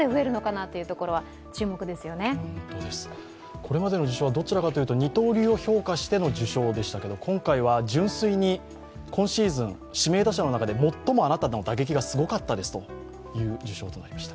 これまでの受賞はどちらかというと二刀流を評価しての受賞でしたけど今回は純粋に今シーズン、指名打者の中で最もあなた打撃がすごかったですという受賞となりました。